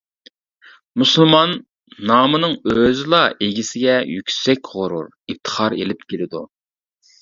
«مۇسۇلمان» نامىنىڭ ئۆزىلا ئىگىسىگە يۈكسەك غۇرۇر، ئىپتىخار ئېلىپ كېلىدۇ.